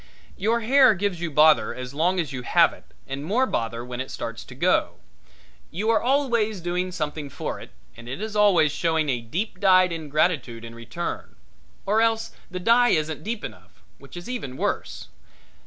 Your hair gives you bother as long as you have it and more bother when it starts to go. You are always doing something for it and it is always showing deep dyed ingratitude in return; or else the dye isn't deep enough, which is even worse.